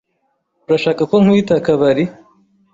Urashaka ko nkwita kabari?